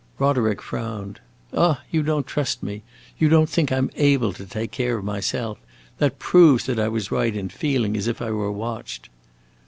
Roderick frowned. "Ah, you don't trust me; you don't think I 'm able to take care of myself. That proves that I was right in feeling as if I were watched!"